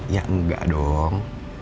ya enggak dong